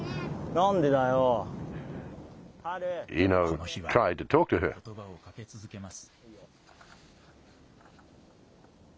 ことばをかけ続けます。